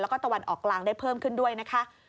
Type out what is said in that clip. แล้วก็ตะวันออกกลางได้เพิ่มขึ้นด้วยนะคะ